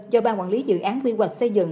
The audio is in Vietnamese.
cho ban quản lý dự án quy hoạch xây dựng